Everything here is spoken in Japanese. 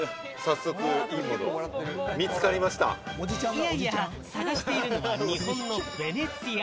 いやいや、探しているのは日本のヴェネツィア。